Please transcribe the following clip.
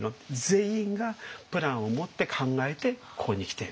全員がプランを持って考えてここに来ている。